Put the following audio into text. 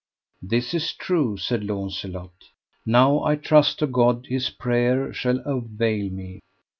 This is true, said Launcelot; now I trust to God his prayer shall avail me.